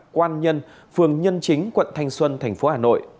quan nhân phường nhân chính quận thanh xuân thành phố hà nội